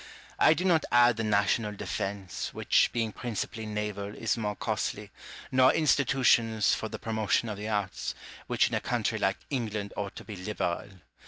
I do not add the national defence, which being principally naval is more costly, nor institutions for the promotion of the arts, which in a country like England ought to be liberal.